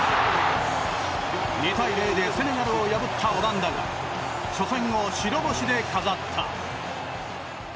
２対０でセネガルを破ったオランダが初戦を白星で飾った。